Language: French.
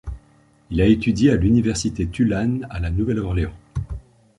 Il a étudié à l'université Tulane à La Nouvelle-Orléans.